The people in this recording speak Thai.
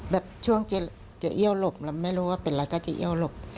แบบช่วงจะเอียวหลบหรือไม่รู้ว่าเป็นไรฝ้าก็จะเอียวหลบ